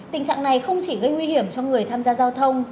tình trạng này không chỉ gây nguy hiểm cho người tham gia giao thông